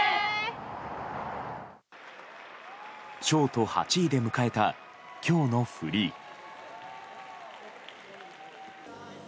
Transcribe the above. ショート８位で迎えた今日のフリー。